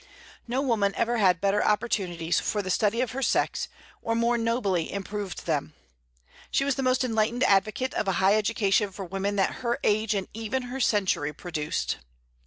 No woman ever had better opportunities for the study of her sex, or more nobly improved them. She was the most enlightened advocate of a high education for women that her age and even her century produced.